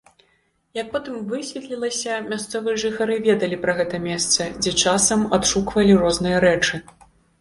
Як потым высветлілася, мясцовыя жыхары ведалі пра гэта месца, дзе часам адшуквалі розныя рэчы.